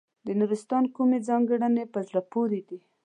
د نورستان کومې ځانګړنې په زړه پورې دي.